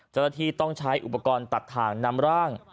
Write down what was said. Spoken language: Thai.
เจ้าหน้าที่ต้องใช้อุปกรณ์ตัดทางนำร่าง